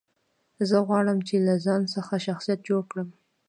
زه غواړم، چي له ځان څخه شخصیت جوړ کړم.